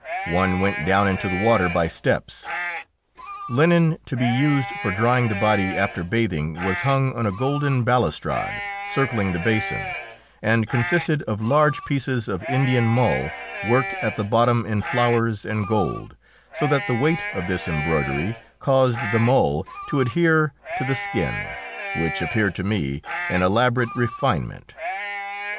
One went down into the water by steps. Linen to be used for drying the body after bathing was hung on a golden balustrade circling the basin, and consisted of large pieces of Indian mull worked at the bottom in flowers and gold, so that the weight of this embroidery caused the mull to adhere to the skin, which appeared to me an elaborate refinement.